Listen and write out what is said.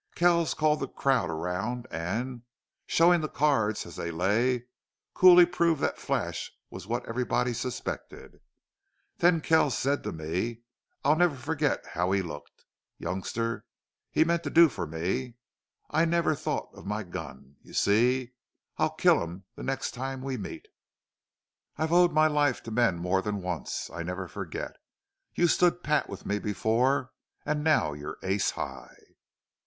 Kells called the crowd around and, showing the cards as they lay, coolly proved that Flash was what everybody suspected. Then Kells said to me I'll never forget how he looked: 'Youngster, he meant to do for me. I never thought of my gun. You see!... I'll kill him the next time we meet.... I've owed my life to men more than once. I never forget. You stood pat with me before. And now you're ace high!'"